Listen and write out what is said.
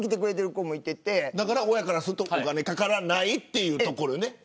親からするとお金かからないというところ。